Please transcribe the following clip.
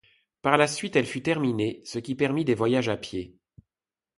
Par la suite elle fut terminée, ce qui permit des voyages à pied.